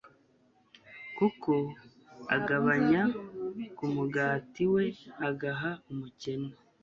kuko agabanya ku mugati we agaha umukene